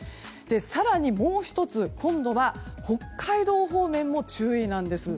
更にもう１つ、今度は北海道方面も注意なんです。